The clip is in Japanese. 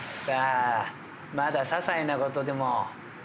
さあささいなことでも。